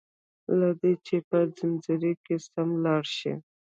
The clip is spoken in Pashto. له دي چي په ځنځير کي سم لاړ شي